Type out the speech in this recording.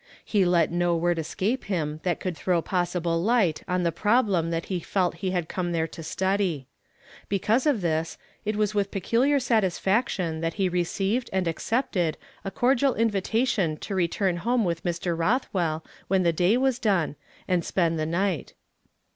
He let no word escape him that could throw possible light on the problem that he felt he had come there to study. Because of this, it was with peculiar satisfaction that he received anil accepted a cordial iiivlcation to return home with Mr. Roth well when the day was done, and spend the night.